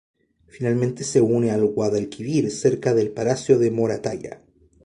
Finalmente se une al Guadalquivir cerca del Palacio de Moratalla.